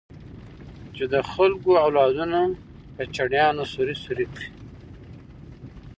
چې د خلکو اولادونه په چړيانو سوري سوري کړي.